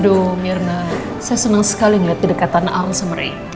aduh mirna saya senang sekali ngeliat kedekatan alsemery